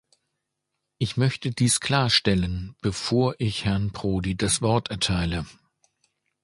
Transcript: Ich möchte dies klarstellen, bevor ich Herrn Prodi das Wort erteile.